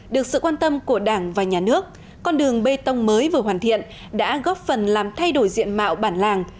được sự quan tâm của đảng và nhà nước con đường bê tông mới vừa hoàn thiện đã góp phần làm thay đổi diện mạo bản làng